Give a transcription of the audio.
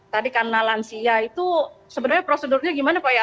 tadi karena lansia itu sebenarnya prosedurnya gimana pak ya